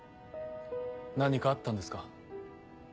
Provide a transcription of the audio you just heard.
何かあったんですか？